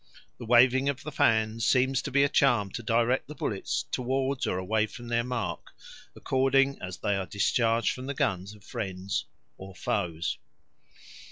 The waving of the fans seems to be a charm to direct the bullets towards or away from their mark, according as they are discharged from the guns of friends or foes.